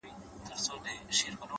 • جنازه به د غمونو وي وتلې ,